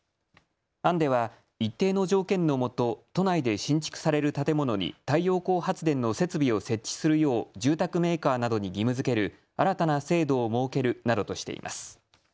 案では一定の条件のもと都内で新築される建物に太陽光発電の設備を設置するよう住宅メーカーなどに義務づける新たな制度を設けるなどとしています。